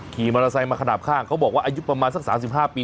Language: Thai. ขี่มอเตอร์ไซค์มาขนาดข้างเขาบอกว่าอายุประมาณสัก๓๕ปี